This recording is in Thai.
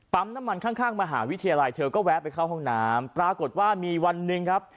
น้ำมันข้างมหาวิทยาลัยเธอก็แวะไปเข้าห้องน้ำปรากฏว่ามีวันหนึ่งครับ